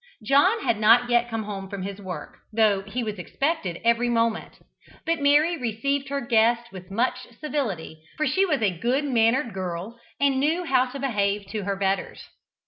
John had not yet come home from his work, though he was expected every moment; but Mary received her guest with much civility, for she was a good mannered girl, and knew how to behave to her betters.